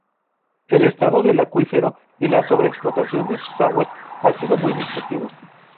El estado del acuífero y la sobreexplotación de sus aguas ha sido muy discutido.